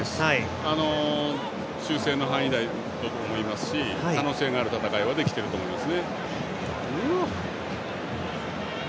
修正の範囲内だと思いますし可能性がある戦いはできていると思います。